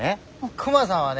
クマさんはね